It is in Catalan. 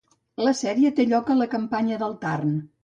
La sèrie té lloc a la campanya del Tarn.